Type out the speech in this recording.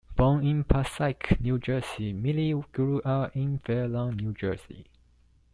Born in Passaic, New Jersey, Millie grew up in Fair Lawn, New Jersey.